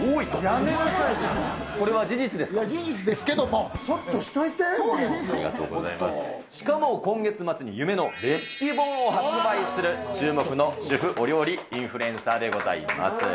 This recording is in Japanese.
事実ですけれども、そっとししかも今月末に夢のレシピ本を発売する、注目の主婦お料理インフルエンサーでございます。